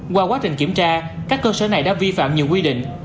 qua quá trình kiểm tra các cơ sở này đã vi phạm nhiều quy định